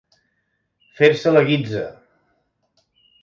Fer-se la guitza.